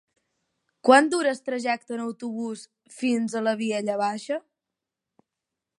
Quant dura el trajecte en autobús fins a la Vilella Baixa?